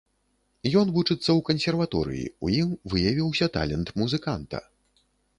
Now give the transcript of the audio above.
Ён вучыцца ў кансерваторыі, у ім выявіўся талент музыканта.